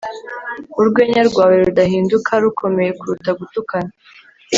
Urwenya rwawe rudahinduka rukomeye kuruta gutukana